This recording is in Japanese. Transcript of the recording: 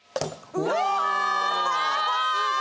うわ！